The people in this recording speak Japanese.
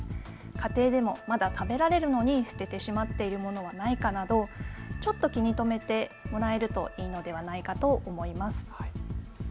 家庭でもまだ食べられるのに捨ててしまっているものはないかなどちょっと気に留めてもらえるといいのではないかと思います。